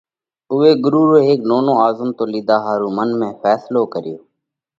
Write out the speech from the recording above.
اُوئہ ڳرُو رو هيڪ ننڪو آزمتو لِيڌا رو منَ ۾ ڦينصلو ڪريو۔